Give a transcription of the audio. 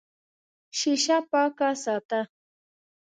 شیشه پاکه ساته.